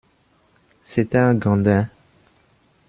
C’était un gandin…